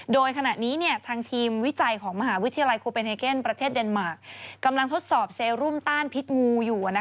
โดยขณะนี้ทางทีมวิจัยของมหาวิทยาลัยโคเป็นเฮเกนประเทศเดนมาร์คกำลังทดสอบเซรุมต้านพิษงูอยู่